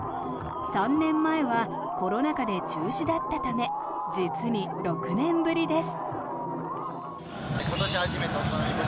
３年前はコロナ禍で中止だったため実に６年ぶりです。